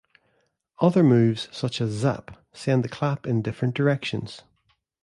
Other moves such as "zap" send the clap in different directions.